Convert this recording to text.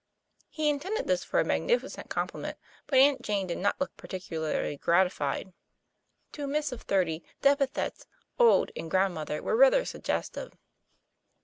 He intended this for a magnificent compliment, but Aunt Jane did not look particularly gratified. To a TOM PL A YFAIR. 19 miss of thirty the epithets " old " and " grandmother " were rather suggestive.